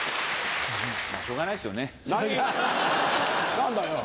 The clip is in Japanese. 何だよ。